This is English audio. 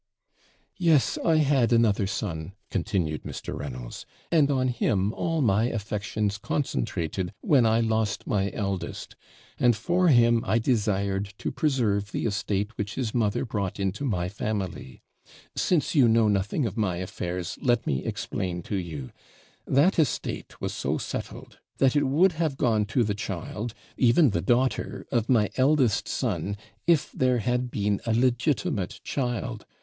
'Yes, I had another son,' continued Mr. Reynolds, 'and on him all my affections concentrated when I lost my eldest, and for him I desired to preserve the estate which his mother brought into my family. Since you know nothing of my affairs, let me explain to you; that estate was so settled, that it would have gone to the child, even the daughter of my eldest son, if there had been a legitimate child.